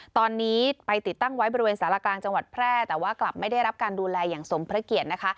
ตอนนี้ไปติดตั้งไว้บริเวณสารกลางจังหวัดแพร่แต่ว่ากลับไม่ได้รับการดูแลอย่างสมพระเกียรตินะคะ